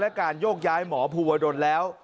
และการโยกย้ายหมอภูวดลแล้ว